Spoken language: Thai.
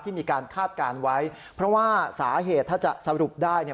มีการคาดการณ์ไว้เพราะว่าสาเหตุถ้าจะสรุปได้เนี่ย